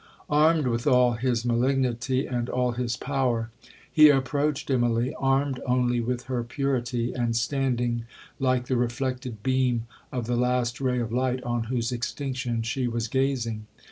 'Armed with all his malignity and all his power, he approached Immalee, armed only with her purity, and standing like the reflected beam of the last ray of light on whose extinction she was gazing.